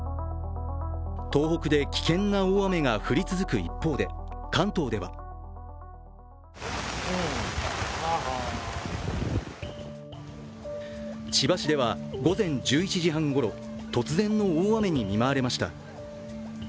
東北で危険な大雨が降り続く一方で、関東では千葉市では午前１１時半ごろ突然の大雨に見舞われました。